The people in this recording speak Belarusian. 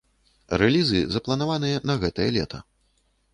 Рэлізы запланаваныя на гэтае лета.